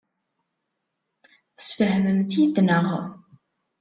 Tesfehmem-tt-id, naɣ?